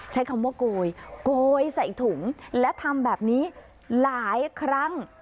ใช้คำว่าโกยโกยใส่ถุงและทำแบบนี้หลายครั้ง